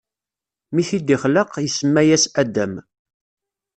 Mi t-id-ixleq, isemma-yas Adam.